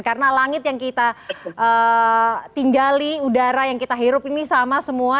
karena langit yang kita tinggali udara yang kita hirup ini sama semua